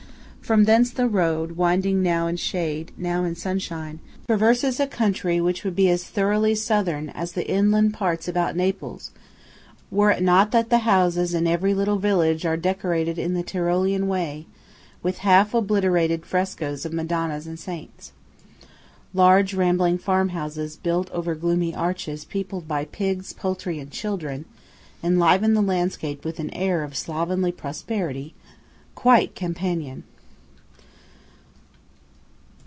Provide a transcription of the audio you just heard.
From thence the road, winding now in shade, now in sunshine, traverses a country which would be as thoroughly Southern as the inland parts about Naples were it not that the houses in every little village are decorated in the Tyrolean way with half obliterated frescoes of Madonnas and Saints. Large rambling farm houses built over gloomy arches peopled by pigs, poultry, and children, enliven the landscape with an air of slovenly prosperity quite Campanian.